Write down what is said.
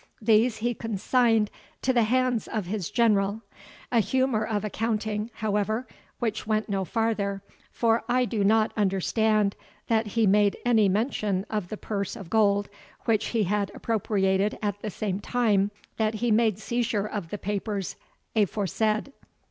These he consigned to the hands of his General; a humour of accounting, however, which went no farther, for I do not understand that he made any mention of the purse of gold which he had appropriated at the same time that he made seizure of the papers aforesaid.